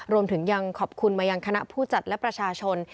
รวมถึงยังขอบคุณมายังคณะผู้จัดและประชาชน